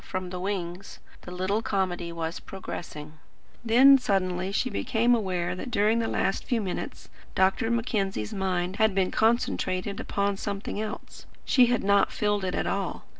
from the wings. The little comedy was progressing. Then suddenly she became aware that during the last few minutes Dr. Mackenzie's mind had been concentrated upon something else. She had not filled it at all.